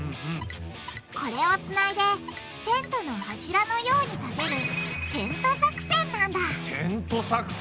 これをつないでテントの柱のように立てる「テント作戦」なんだテント作戦！